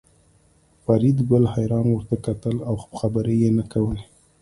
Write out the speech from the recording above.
فریدګل حیران ورته کتل او خبرې یې نه کولې